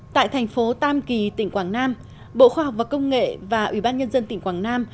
tại thành phố tam kỳ tỉnh quảng nam bộ khoa học và công nghệ và ủy ban nhân dân tỉnh quảng nam